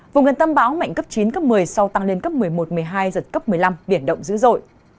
vùng gần tâm bão mạnh cấp chín cấp một mươi sau tăng lên cấp một mươi một một mươi hai giật cấp một mươi năm biển động dữ dội